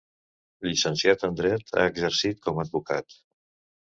Llicenciat en dret, ha exercit com a advocat.